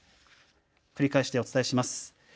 繰り返してお伝えします。